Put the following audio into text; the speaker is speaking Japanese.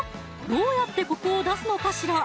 どうやってコクを出すのかしら？